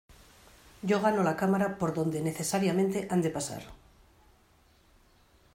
yo gano la cámara por donde necesariamente han de pasar.